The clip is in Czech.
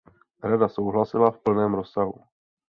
Rada souhlasila v plném rozsahu.